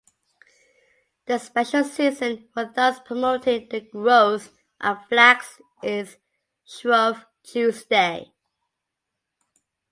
The special season for thus promoting the growth of flax is Shrove Tuesday.